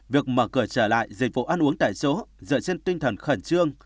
việc mở cửa trở lại dịch vụ ăn uống tại chỗ dựa trên tinh thần khẩn trương